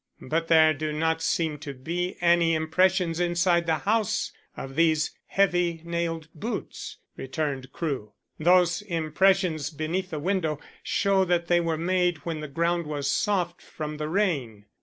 "But there do not seem to be any impressions inside the house of these heavy nailed boots," returned Crewe. "Those impressions beneath the window show that they were made when the ground was soft from the rain.